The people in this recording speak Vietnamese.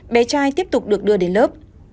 bé trai tiếp tục được đưa đến lớp